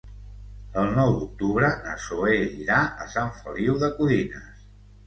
El nou d'octubre na Zoè irà a Sant Feliu de Codines.